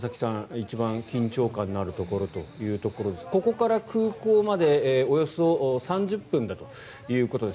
一番緊張感のあるところということでここから空港までおよそ３０分だということです。